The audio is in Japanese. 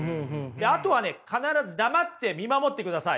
あとはね必ず黙って見守ってくださいよ。